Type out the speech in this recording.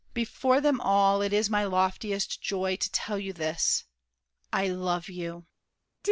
Before them all, It is my loftiest joy to tell you this: I love you!